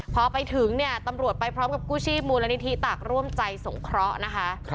พอไปถึงเนี่ยตำรวจไปพร้อมกับกู้ชีพมูลนิธิตากร่วมใจสงเคราะห์นะคะ